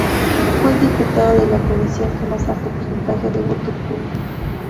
Fue el diputado de la Coalición que más alto porcentaje de voto obtuvo.